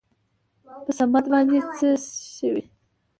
په صمد باندې څه شوي ؟